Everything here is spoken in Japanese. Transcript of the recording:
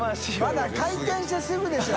まだ開店してすぐでしょ？